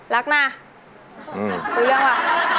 รักมาโอ้โหเรื่องป่ะ